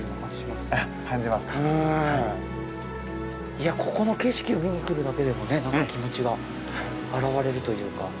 いやぁ、ここの景色を見に来るだけでもなんか、気持ちが洗われるというか。